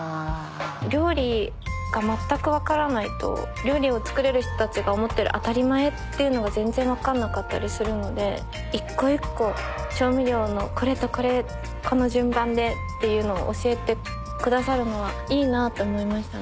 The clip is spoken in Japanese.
料理が全くわからないと料理を作れる人たちが思ってる当たり前っていうのが全然わかんなかったりするので１個１個調味料のこれとこれこの順番でっていうのを教えてくださるのはいいなって思いましたね。